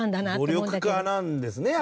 努力家なんですね。